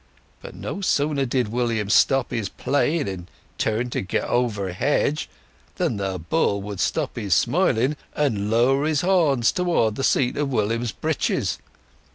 But no sooner did William stop his playing and turn to get over hedge than the bull would stop his smiling and lower his horns towards the seat of William's breeches.